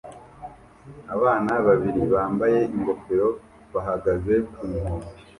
Abana babiri bambaye ingofero bahagaze ku nkombe